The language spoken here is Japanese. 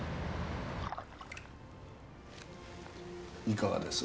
いかがです？